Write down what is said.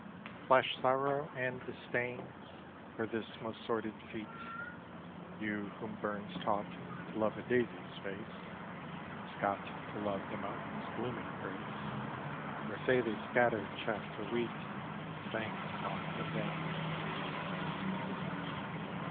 Flash sorrow and disdain For this most sordid feat, You whom Burns taught to love a daisy's face, And Scott to love the mountains' gloom and grace; Or say they scattered chaff for wheat, And sang their songs in vain.